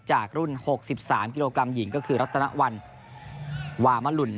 จากรุ่น๖๓กิโลกรัมหญิงก็คือรัตนวัลวามลุน